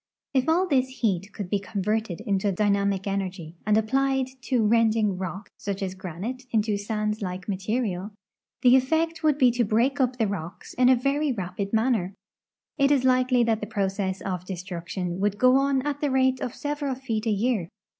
If all this heat could be con verted into dynamic energy and applied to rending rock, such as granite, into sand like material, the effect would be to break up the rocks in a very rapid manner. It is likel}'^ that the pro cess of destruction would go on at the rate of several feet a year.